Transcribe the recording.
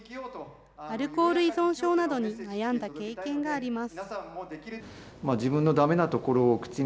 アルコール依存症などに悩んだ経験があります。